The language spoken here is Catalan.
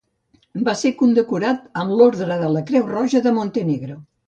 Va ser condecorat amb l'ordre de la Creu Roja de Montenegro.